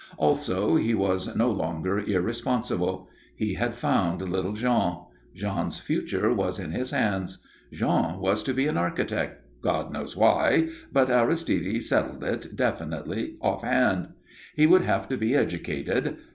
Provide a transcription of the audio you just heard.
Also, he was no longer irresponsible. He had found little Jean. Jean's future was in his hands. Jean was to be an architect God knows why but Aristide settled it, definitely, off hand. He would have to be educated.